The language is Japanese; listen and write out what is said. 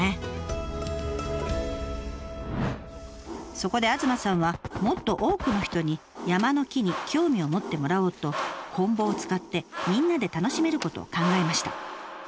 そこで東さんはもっと多くの人に山の木に興味を持ってもらおうとこん棒を使ってみんなで楽しめることを考えました。